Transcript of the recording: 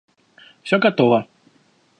– Все готово.